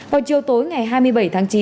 hồi chiều tối ngày hai mươi bảy tháng chín